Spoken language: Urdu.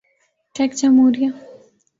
چیک جمہوریہ